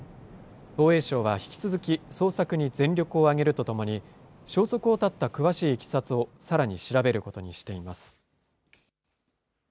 防衛省は引き続き、捜索に全力を挙げるとともに、消息を絶った詳しいいきさつをさらに調べることにしています。